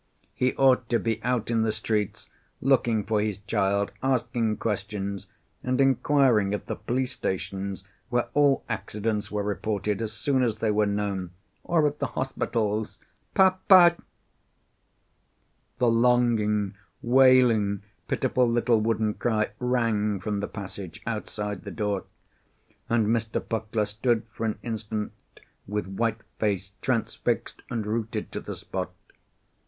He ought to be out in the streets looking for his child, asking questions, and enquiring at the police stations, where all accidents were reported as soon as they were known, or at the hospitals. "Pa pa!" The longing, wailing, pitiful little wooden cry rang from the passage, outside the door, and Mr. Puckler stood for an instant with white face, transfixed and rooted to the spot.